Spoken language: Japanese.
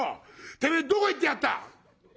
てめえどこ行ってやがった！？」。